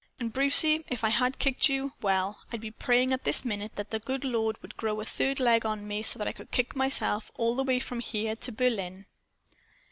And Brucie, if I had kicked you, well I'd be praying at this minute that the good Lord would grow a third leg on me, so that I could kick myself all the way from here to Berlin!"